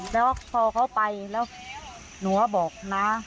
แล้วพอเขาไปแล้วหนูก็บอกนะ